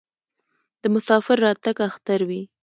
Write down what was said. د مسافر راتګ اختر وي.